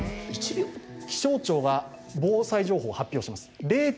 気象庁が防災情報を発表します。